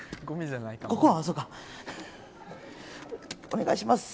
お願いします！